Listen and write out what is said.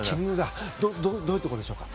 どういうところでしょうか？